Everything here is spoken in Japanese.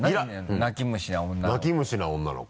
「泣き虫な女の子」